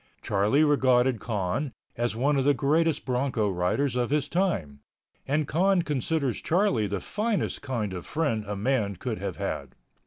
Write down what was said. Charlie regarded Con as one of the greatest bronco riders of his time, and Con considers Charlie the finest kind of friend a man could have had.